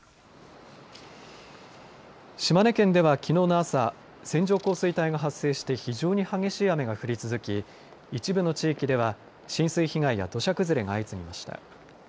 島根県ではきのうの朝、線状降水帯が発生して、非常に激しい雨が降り続き、一部の地域では、浸水被害や土砂崩れが相次ぎました。